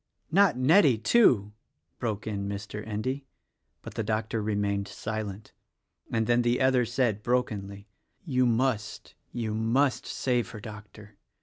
"Not Nettie, too!" broke in Mr. Endy; but the doctor remained silent, and then the other said brokenly, "You must, you must, save her, Doctor.